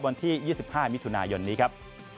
วันที่๒๕มิถุนายนนี้ครับ